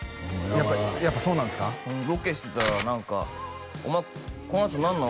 やっぱそうなんですかロケしてたら何か「お前このあと何なの？」